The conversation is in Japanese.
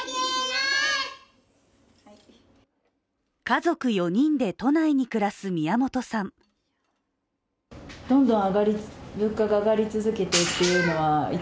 家族４人で都内に暮らす宮本さん。